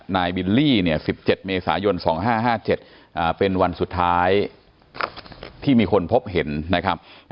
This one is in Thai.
บิลลี่๑๗เมษายน๒๕๕๗เป็นวันสุดท้ายที่มีคนพบเห็นนะครับ